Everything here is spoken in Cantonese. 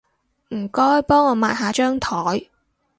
唔該幫我抹下張枱